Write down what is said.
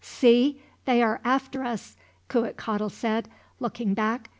"See, they are after us!" Cuitcatl said, looking back.